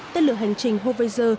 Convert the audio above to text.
tên lửa hành trình hovezer